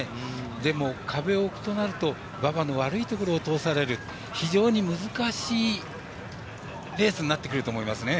でも、壁を置くとなると馬場の悪いところを通される非常に難しいレースになってくると思います。